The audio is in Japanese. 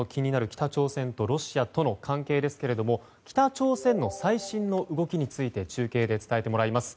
北朝鮮とロシアとの関係ですけど北朝鮮の最新の動きについて中継で伝えてもらいます。